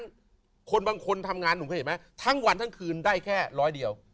เพราะฉะนั้นคนบางคนทำงานทั้งวันทั้งคืนได้แค่ร้อยเดียว